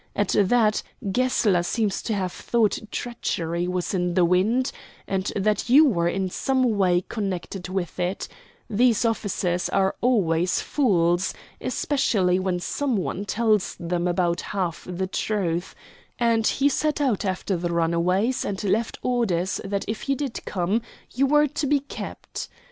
At that Gessler seems to have thought treachery was in the wind, and that you were in some way connected with it these officers are always fools, especially when some one tells them about half the truth and he set out after the runaways, and left orders that if you did come you were to be kept.